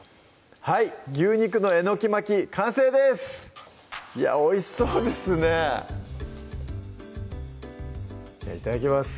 はい「牛肉のえのき巻き」完成ですいやおいしそうですねじゃあいただきます